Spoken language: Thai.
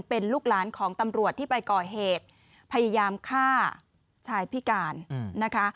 เป็นลูกหลานของตำรวจที่ไปก่อเหตุพยายามฆ่าชายพิการนะคะ